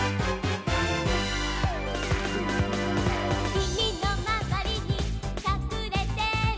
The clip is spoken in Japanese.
「君のまわりにかくれてる」